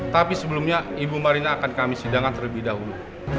tapi sebelumnya ibu marina akan kami sidangkan terlebih dahulu